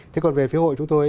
thế còn về phía hội chúng tôi